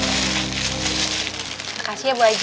terima kasih ya bu aji